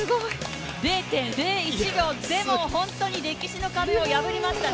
０．０１秒、でも本当に歴史の壁を破りましたね！